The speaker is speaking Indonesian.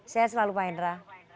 saya selalu pak hendra